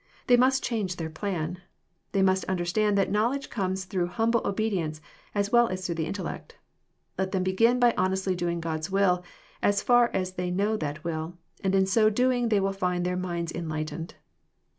They must change their plan. They must understand that knowledge comes through humble obedience as well as through the intellect. Let them begin by honestly doing God's will as far as they know that will, and in so doing they will find their minds enlightened.